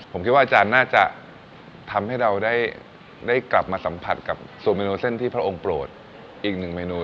ผมคิดว่าอาจารย์น่าจะทำให้เราได้กลับมาสัมผัสกับสูตรเมนูเส้นที่พระองค์โปรดอีกหนึ่งเมนู